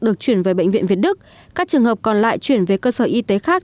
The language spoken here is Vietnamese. được chuyển về bệnh viện việt đức các trường hợp còn lại chuyển về cơ sở y tế khác